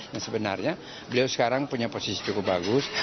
nah sebenarnya beliau sekarang punya posisi cukup bagus